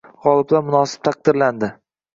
G‘oliblar munosib taqdirlanding